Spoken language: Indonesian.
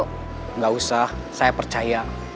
enggak usah saya percaya